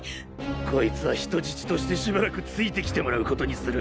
こいつは人質としてしばらくついて来てもらうことにする！